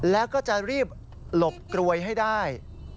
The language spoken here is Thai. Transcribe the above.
แล้วก็จะรีบหลบกรวยให้ได้